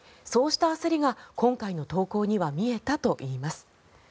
そうした焦りが今回の投稿には見えたといいます。